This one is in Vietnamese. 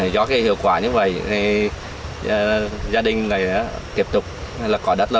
do hiệu quả như vậy gia đình này tiếp tục có đất